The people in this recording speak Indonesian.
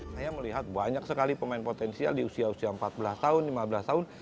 saya melihat banyak sekali pemain potensial di usia usia empat belas tahun lima belas tahun